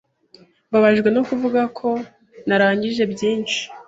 Mbabajwe no kuvuga ko ntarangije byinshi.